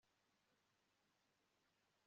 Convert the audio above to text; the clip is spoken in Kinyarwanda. Ninde utigera agarura ikintu na kimwe